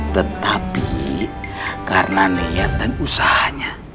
tetapi karena niat dan usahanya